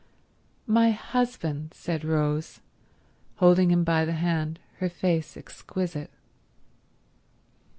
"My husband," said Rose, holding him by the hand, her face exquisite.